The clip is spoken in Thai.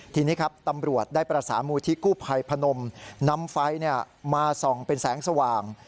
ทีนี้ครับตำรวจได้ประสานมูลที่กู้ภัยพนมนำไฟมาส่องเป็นแสงสว่าง